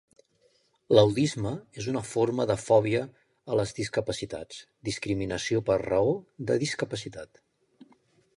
L'audisme és una forma de fòbia a les discapacitats, discriminació per raó de discapacitat.